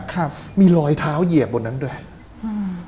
แต่แกก็ยังนอนอยู่ที่แพร่นะแล้วป้าก็เลยมาเป็นแม่ครัวอยู่ที่โรงแรมนี่แทน